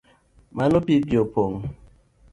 Mano pigi opong’?